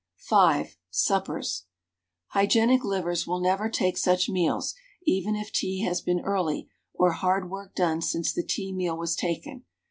V. SUPPERS. Hygienic livers will never take such meals, even if tea has been early, or hard work done since the tea meal was taken.